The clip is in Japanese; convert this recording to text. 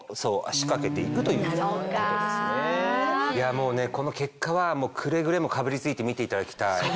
もうねこの結果はくれぐれもかぶりついて見ていただきたい。